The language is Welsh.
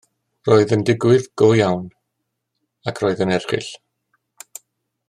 Roedd yn digwydd go iawn, ac roedd yn erchyll